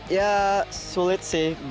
ya sulit sih